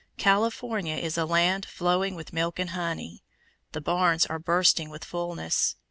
California is a "land flowing with milk and honey." The barns are bursting with fullness.